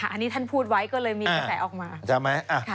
อันนี้ท่านพูดไว้ก็เลยมีแสดงออกมา